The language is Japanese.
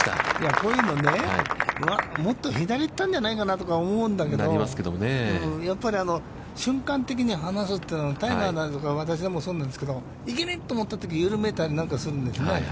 こういうのね、もっと左行ったんじゃないかな？と思うんだけど、やっぱり瞬間的に放すというのは、私でもそうなんですけど、行けっと思ったときに、緩んだりするんですよね。